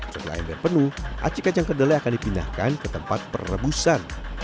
setelah ember penuh aci kacang kedelai akan dipindahkan ke tempat perebusan